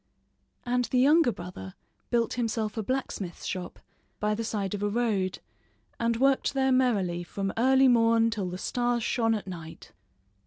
And the younger brother built himself a blacksmith's shop by the side of a road and worked there merrily from early morn till the stars shone at night.